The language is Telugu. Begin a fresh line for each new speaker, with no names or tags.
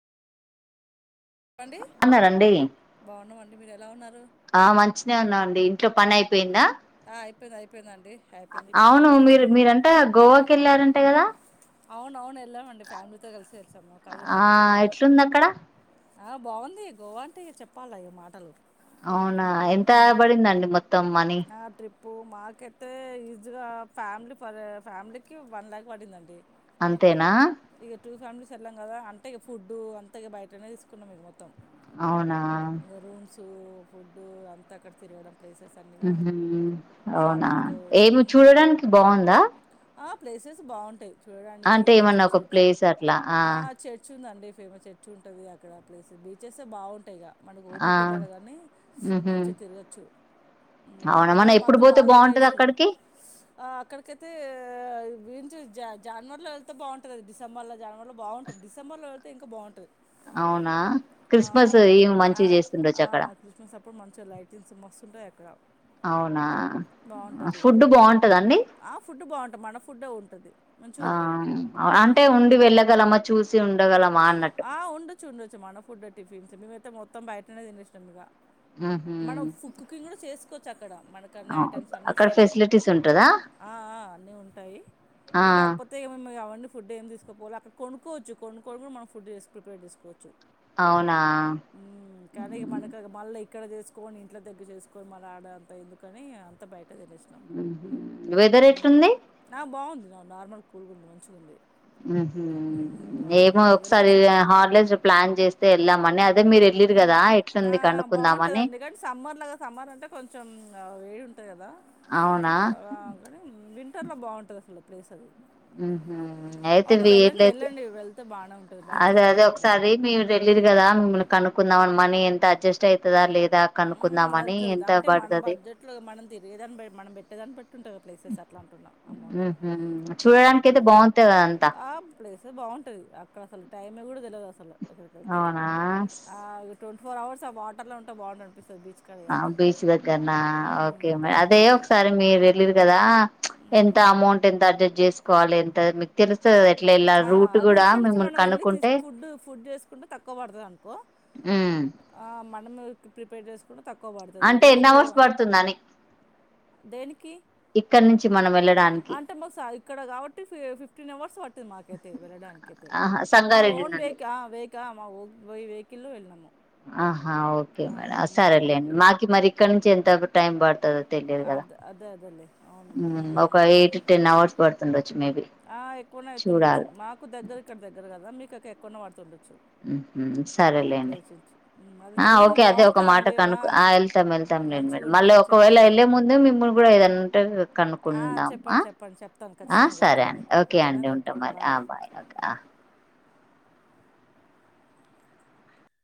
చెప్పండి
అన్నారండి
బాగున్నామండి మీరు ఎలా ఉన్నారు
ఆ మంచిన ఉన్నాం అండి ఇంట్లో పనయిపోయిందా
ఆ అయిపోయింది అయిపోయిందండి అయిపోయింది ఇప్పుడు
అవును
ఫ్రీగా
మీరు
కూర్చున్నాను
మీరంట గోవాకి వెళ్ళారంట కదా
అవున అవును వెళ్ళామండి ఫ్యామిలీతో కలిసి వెళ్సాము కజిన్
ఆ
వాళ్లతో వెళ్ళాము
ఎట్లుంది అక్కడ
ఆ బాగుంది గోవా అంటే చెప్పాలి గా మాటలు
అవునా ఎంత పడిందండి మొత్తం మనీ
ఇప్పు మాకైతే ఈజీగా ఫ్యామిలీ ఫర్ ఫ్యామిలీకి వన్ ల్యాక్ పడిందండి
అంతేనా
ఇక టూ ఫ్యామిలీస్ వెళ్ళాం కదా అంటే ఫుడ్ అంతఇక బయటనే తీసుకున్నాం ఈగ మొత్తం
అవునా
డు ఫుడ్ అంతా ఖర్చు కదా
అవునా ఏమి
షాపింగ్కు
చూడడానికి బాగుందా
ఆ ప్లేసెస్ బాగుంటాయి చూడడానికి
అంటే ఏమన్నా
మంచిగా
ఒక
చర్చ్
ప్లేస్ అట్లా ఆ
ఉందండి ఫేమస్ చర్చ్ ఉంటది అక్కడ ప్లేస్ బీచెసే బాగుంటాయిగా మనకు
ఆ
ఓపికుండాల కానీ
ఉహు
మంచిగా తిరగచ్చు ఉమ్
అవునా మనం
పిల్లలు
ఎప్పుడు
మాత్రం
పోతే
బాగా ఎంజాయ్
బాగుంటది
చేసిర్రు
అక్కడికి
ఆ అక్కడికైతే వీల్చ జా జాన్వరిలో ఎళ్తే బావుంటది అది డిసెంబర్ లో జాన్వరిలో బావుంటది డిసెంబలోఎళ్తే ఇంకా బావుంటది
అవునా
ఆ
క్రిస్మస్ ఏమి
ఆ
మంచిగా చేస్తుండొచ్చు
ఆ
అక్కడ
క్రిస్మస్ అప్పుడు మంచి లైటింగ్స్ మస్తుంటాయి అటు గ
అవునా
బావుంటదిగా
ఫుడ్ బాగుంటదండి
ఆ ఫుడ్ బావుంటది మన ఫుడే ఉంటది
ఆ అంటే ఉండి వెళ్ళగలమా చూసి ఉం
ఆ ఉండచ్చు ఉండొచ్చు మన ఫుడ్ టిఫిన్స్ మేమయితే మొత్తం మొత్తం బయటనే తీనేసినం ఇక
ఊహు
కుచక్ అక్కడ మనకన్ని ఐటమ్స్ అన్ని ఇస్తరు
ఫెసిలిటీస్ ఉంటదా
ఆఆ అన్ని ఉంటాయి
ఆ
ఇక కొత్తవి ఏమన్నా కావ ఫుడ్ ఏం తీసుకోపోల అక్కడ కొనుక్కోవచ్చు కొను కొడుగడ [unintelligible] మనం ఫుడ్ జేస్ ప్రిపేర్ జేసుకోవచ్చు
అవునా
ఇక మనకు ఇక మళ్ళీ ఇక్కడ జేసుకోని ఇంట్లో దగ్గర జేసుకోని మళ్ళ ఆడ అంత ఎందుకని అంత బయట్ [inaudible]
ఉహు వెదర్ ఎట్లుంది
ఊమ్ బాగుంది నార్మల్ కూలుకుంది మంచిగా ఉంది
ఊహు ఏమో ఒక్
ఎళ్ళొచ్చు
వెళ్ళామని అదే మీరు వెళ్ళిరు కదా
ఊమ్
ఎట్లుంది
ఆఆ
కనుక్కుందామని
బావుంటదండి కాని సమ్మర్లో గదా సమ్మర్ అంటే కొంచెం ఆ వేడి ఉంటది కదా
అవునా
చాలా వింటర్ లో బావుంటది ల్ ప్లేస్ అది
ఊహు అయితే
ఓకే వెళ్ళండి
వీలైతే
వెళ్ళండి వెళ్తే బాగానే ఉంటుంది మంచిగా
అదే
ఉంటుంది
అదే
అక్కడ ప్లేస్
ఒకసారి మీరెళ్లిరు కదా మిమ్మల్ని కనుకుందామని మనీ ఎంత అడ్జస్ట్ ఐతదా లేదా
ఊమ్
కనుక్కుందామని
ఎళ్తాదెళ్తాది
ఎంత
అంటే మన
పడుతది
బడ్జెట్ లో మనం తిరిగేదాన్ బట్టి మనం పెట్టేదాన్ని బట్టి ఉంటది ప్లేసెస్ అట్లా అంటున్నా అమౌంట్
ఉహు చూడడానికి
ఫుడ్
అయితే
ఊ
బాగుంటది అదంతా
ఆఆ ప్లేస్ తే బాగుంటుంది అక్కడ అసలు టైమే గూడా తెలదు అసలు
అవునా
ట్వంటి ఫోర్ అవర్స్ ఆ వాటర్లో ఉంట బాగుండనపిస్తాది ఆ బీచ్ కాడ ఇగ
ఆ బీచ్ దగ్గరనా
ఉమ్
ఓకే అదే
బాగుంటది ఇగ
ఒకసారి మీరు వెళ్ళిర్రు కదా ఎంత
ఉమ్
అమౌంట్ ఎంత అర్జి తీసుకోవాలి ఎంత మీకు కదా ఎట్లా వెళ్ళాలి
ఆ
రూట్
అదే
కూడా
ఇక్కడ నుంచి
మిమ్మల్ని
మనం వెళ్ళి
కనుక్కుంటే
తీసుకు ఫుడ్ ఫుడ్ చేసుకుంటే తక్కువ పడుతుంది అనుకో
ఉమ్
ఆ మనం ప్రిపేర్ చేసుకు
అంటే ఎన్ని అవర్స్ పడుతుందని
దేనికి
ఇక్కడ నుంచి మనం వెళ్ళడానికి
అంటే మాకు ఇక్కడ కాబట్టి ఫిఫ్టీన్ అవర్స్ ప మాకైతే వెళ్ళడానికైతే
ఆహా
మా
సంగారెడ్డి
ఓన్
నుండి
బేక్ ఆ వేకా ఆ మా పోయి వెహికల్లో వెళ్ళినాము
ఆహా ఆ ఓకే మేడం
మా ఓన్
సరేలేండి
వెహికల్
మాకి మరి ఇక్కడ నుంచి ఎంత టైమ్ బడుతాది తెలియదు కదా
అదే అదే అదేలే అవును ఉమ్,
ఒక
ఉమ్,
ఎయిట్
ఉమ్.
టెన్ అవర్స్ పడుతుండొచ్చు మేబీ
ఆ ఎక్కువనే అయితుండొచ్చు మాకు దగ్గర ఇక్కడ దగ్గర కదా మీకు అక్క ఎక్కువనే పడు తుండచ్చు
హ్మ్మ్ హూ సరేలేండి
అది
ఆ
చెల్లండి
ఓకే అదే ఒక మాట
బాగుంటుందండి
కను వెళ్తాం వెళ్తాంలేండి
మంచిగా
మేడం మళ్ళీ
ఉంటుంది
ఒకవేళ
చెప్పండి
వెళ్ళలే ముందే మిమ్మని కూడా ఏదంటే
ఆ,
కనుక్కుందాం
చెప్పండి చెప్పండి చెప్తాను
ఆ
ఖచ్చితంగా
సరే ఆ
చెప్తాండి
అండి ఓకే
ఓకేనా
అండి ఉంటా
ఓకే
మరి ఆ బాయ్ ఓకే ఆ